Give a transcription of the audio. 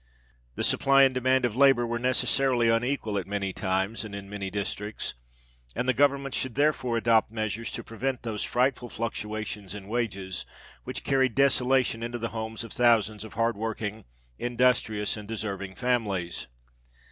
The supply and demand of labour were necessarily unequal at many times, and in many districts; and the Government should therefore adopt measures to prevent those frightful fluctuations in wages which carried desolation into the homes of thousands of hard working, industrious, and deserving families.